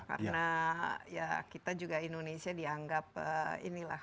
karena ya kita juga indonesia dianggap inilah